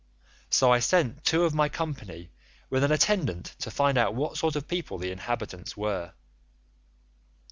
So I sent two of my company with an attendant to find out what sort of people the inhabitants were.